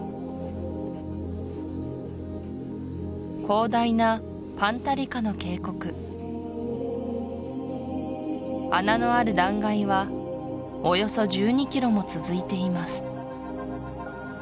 広大なパンタリカの渓谷穴のある断崖はおよそ１２キロも続いています